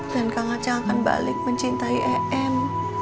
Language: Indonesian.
dan kang aceh akan balik mencintai em